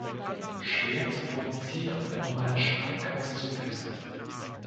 Schwer zu provozieren, um einen Streik auszulösen.